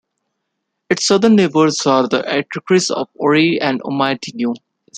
Its southern neighbours are the Itsekiris of Orere and Omadino.